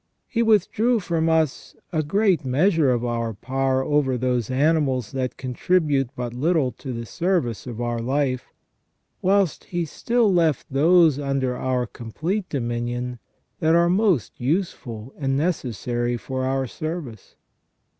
He withdrew from us a great measure of our power over those animals that con tribute but little to the service of our life, whilst he still left those under our complete dominion that are most useful and necessary for our service.